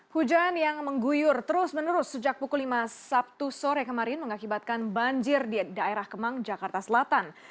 hujan yang mengguyur terus menerus sejak pukul lima sabtu sore kemarin mengakibatkan banjir di daerah kemang jakarta selatan